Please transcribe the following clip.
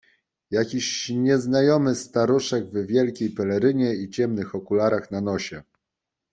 Jakiś nieznajomy staruszek w wielkiej pelerynie i ciemnych okularach na nosie.